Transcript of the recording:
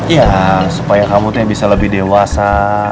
ya supaya kamu tuh bisa lebih dewasa